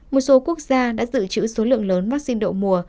một số quốc gia đã dự trữ số lượng lớn vaccine đậu mùa